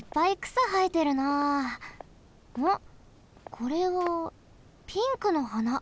これはピンクのはな。